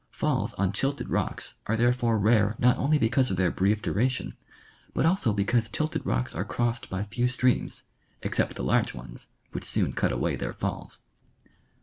Falls on tilted rocks are therefore rare not only because of their brief duration, but also because tilted rocks are crossed by few streams, except the large ones, which soon cut away their falls.